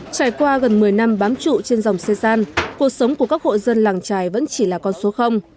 trải qua gần một mươi năm bám trụ trên dòng xê san cuộc sống của các hộ dân làng trài vẫn chỉ là con số